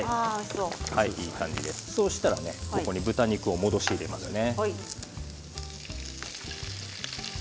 そうしたら、ここに豚肉を戻し入れますね。